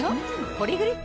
「ポリグリップ」